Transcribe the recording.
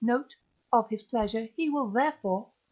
note), of his pleasure; he will, therefore (III.